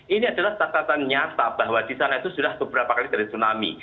ini adalah catatan nyata bahwa di sana itu sudah beberapa kali dari tsunami